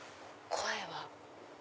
声は。